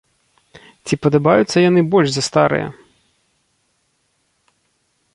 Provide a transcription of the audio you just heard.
Ці падабаюцца яны больш за старыя?